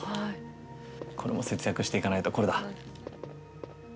これも節約していかないとこれだ。